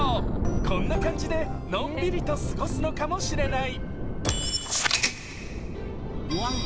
こんな感じで、のんびりと過ごすのかもしれない。